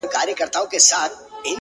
• ملنگ خو دي وڅنگ ته پرېږده؛